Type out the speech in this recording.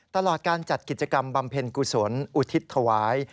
ตลอดการจัดกิจกรรมบำเพ็ญกุศลอุทิศถวาย